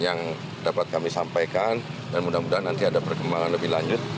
yang dapat kami sampaikan dan mudah mudahan nanti ada perkembangan lebih lanjut